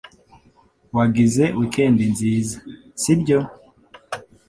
Wagize weekend nziza, sibyo?